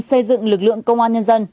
xây dựng lực lượng công an nhân dân